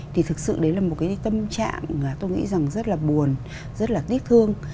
thì thực sự đấy là một tâm trạng tôi nghĩ rất là buồn rất là tiếc thương